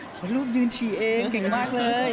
ดูอะไรเขาลูกยืนฉี่เองเก่งมากเลย